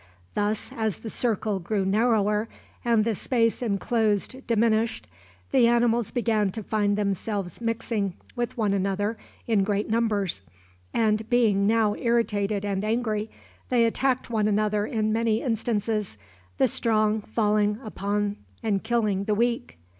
Thus, as the circle grew narrower, and the space inclosed diminished, the animals began to find themselves mixing with one another in great numbers, and being now irritated and angry, they attacked one another in many instances, the strong falling upon and killing the weak.